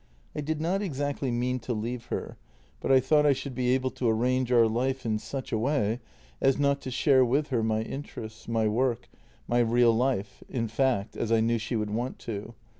I did not exactly mean to leave her, but I thought I should be able to arrange our life in such a way as not to share with her my interests, my work, my real life in fact, as I knew she would want to do.